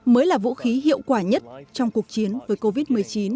mới là vũ khí hiệu quả nhất trong cuộc chiến với covid một mươi chín